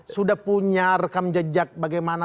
sudah punya rekam jejak bagaimana